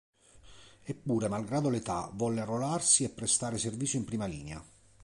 Eppure, malgrado l'età, volle arruolarsi e prestare servizio in prima linea.